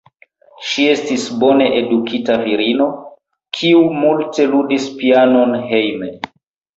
Ŝi estis bone edukita virino, kiu multe ludis pianon hejme.